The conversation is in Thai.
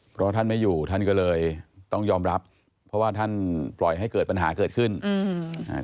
เพราะท่านไม่อยู่ท่านก็เลยต้องยอมรับเพราะว่าท่านปล่อยให้เกิดปัญหาเกิดขึ้นอืมอ่า